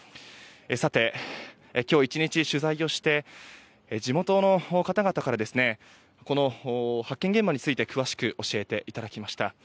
さて、今日１日取材をして地元の方々から発見現場について詳しく教えていただきました。